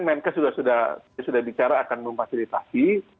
menkes sudah bicara akan memfasilitasi